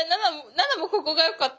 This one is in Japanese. ナナもここがよかった。